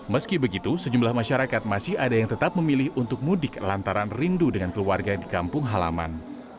meski begitu sejumlah masyarakat masih ada yang tetap memilih untuk mudik lantaran rindu dengan keluarga di kampung halaman